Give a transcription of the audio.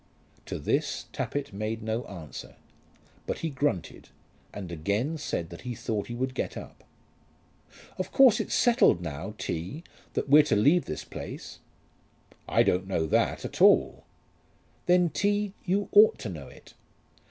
To this Tappitt made no answer, but he grunted, and again said that he thought he would get up. "Of course it's settled now, T., that we're to leave this place." "I don't know that at all." "Then, T., you ought to know it.